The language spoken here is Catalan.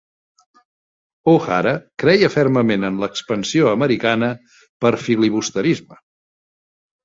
O'Hara creia fermament en l'expansió americana per filibusterisme.